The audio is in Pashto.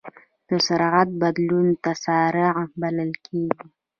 د سرعت بدلون تسارع بلل کېږي.